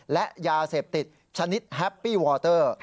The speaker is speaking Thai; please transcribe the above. และยาเสพติดชนิดแฮปปี้วอเตอร์